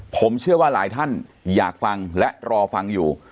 ผมเชื่อว่าหลายท่านอยากฟังและรอฟังอยู่